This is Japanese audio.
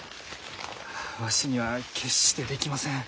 あわしには決してできません。